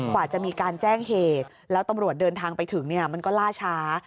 กว่าจะมีการแจ้งเหตุแล้วตำรวจเดินทางไปถึงเนี่ยมันก็ล่าช้า